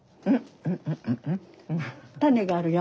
種があるよ。